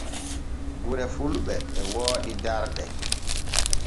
Gure fulɓe e wooɗi darɗe.